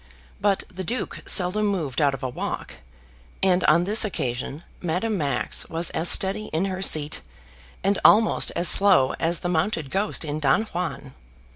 But the Duke seldom moved out of a walk, and on this occasion Madame Max was as steady in her seat and almost as slow as the mounted ghost in Don Juan.